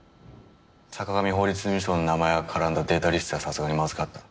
坂上法律事務所の名前が絡んだデータ流出はさすがにまずかった。